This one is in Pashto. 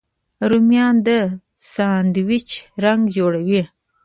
رومیان د ساندویچ رنګ جوړوي